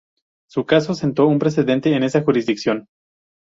Su caso sentó un precedente en esa jurisdicción.